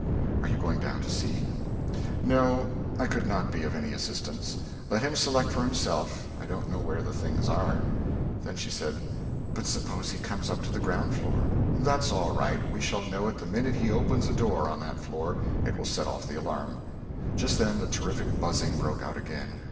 "Are you going down to see?" "No; I could not be of any assistance. Let him select for himself; I don't know where the things are." Then she said, "But suppose he comes up to the ground floor!" "That's all right. We shall know it the minute he opens a door on that floor. It will set off the alarm." Just then the terrific buzzing broke out again.